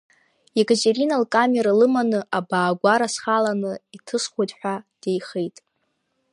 Екатерина лкамера лыманы абаагәара схалан иҭысхуеит ҳәа деихеит…